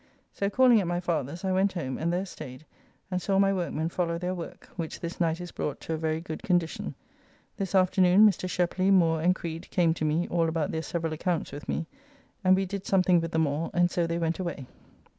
So, calling at my father's, I went home, and there staid and saw my workmen follow their work, which this night is brought to a very good condition. This afternoon Mr. Shepley, Moore, and Creed came to me all about their several accounts with me, and we did something with them all, and so they went away.